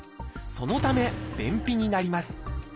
そのため便秘になります。